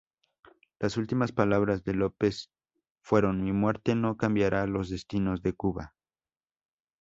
Las últimas palabras de López fueron ""Mi muerte no cambiará los destinos de Cuba".